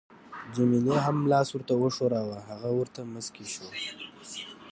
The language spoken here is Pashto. جميله هم لاس ورته وښوراوه، هغه ورته مسکی شو.